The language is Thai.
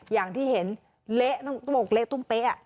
อย่างที่เห็นเละต้มโปรกเละต้มเป๊ะอ่ะ